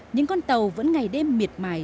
những con tàu vẫn ngày đêm miệt mài